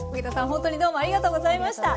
ほんとにどうもありがとうございました。